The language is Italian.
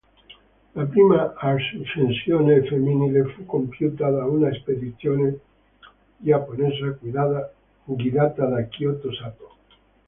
La prima ascensione femminile fu compiuta da una spedizione giapponese, guidata da Kyoto Sato.